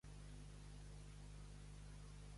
Li dona gràcies a Déu?